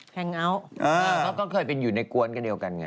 แฮงก์อาวต์ก็เคยเป็นอยู่ในกว้นกันเดียวกันไง